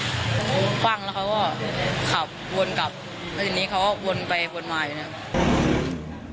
ว่างแล้วเขาก็ขับวนกลับแล้วทีนี้เขาก็วนไปวนมาอยู่เนี่ย